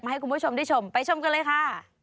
ให้คุณผู้ชมได้ชมไปชมกันเลยค่ะ